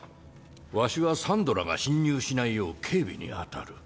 わしはサンドラが侵入しないよう警備に当たる。